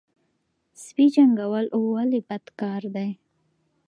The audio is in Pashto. سپي جنګول ولې بد کار دی؟